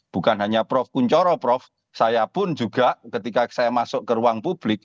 bukan hanya prof kunchoro prof saya pun juga ketika saya masuk ke ruang publik